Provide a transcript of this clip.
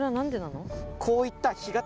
こういった。